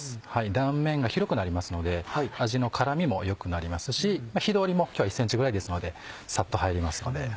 断面が広くなりますので味の絡みも良くなりますし火通りも今日は１ｃｍぐらいですのでさっと入りますので。